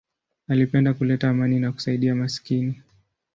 Alipenda kuleta amani na kusaidia maskini.